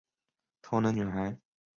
超能女孩。